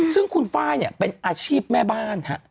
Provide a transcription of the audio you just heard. ซึ่งคุณไฟล์เนี่ยเป็นอาชีพแม่บ้านฮะ